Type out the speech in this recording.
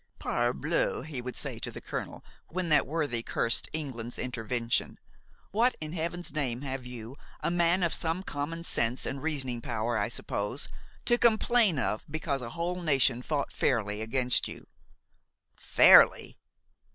"Parbleu! " he would say to the colonel, when that worthy cursed England's intervention, "what in heaven's name have you, a man of some common sense and reasoning power, I suppose, to complain of because a whole nation fought fairly against you?" "Fairly?"